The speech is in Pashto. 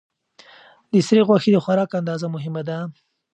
د سرې غوښې د خوراک اندازه مهمه ده.